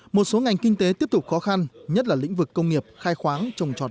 một số ngành kinh tế tiếp tục khó khăn nhất là lĩnh vực công nghiệp khai khoáng trồng trọt